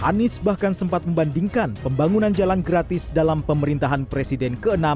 anies bahkan sempat membandingkan pembangunan jalan gratis dalam pemerintahan presiden ke enam